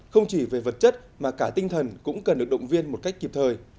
không chỉ về vật chất mà cả tinh thần cũng cần được động viên một cách kịp thời